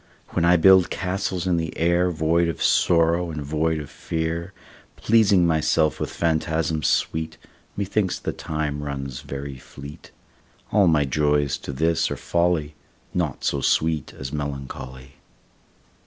When I build castles in the air, Void of sorrow and void of fear, Pleasing myself with phantasms sweet, Methinks the time runs very fleet. All my joys to this are folly, Naught so sweet as melancholy.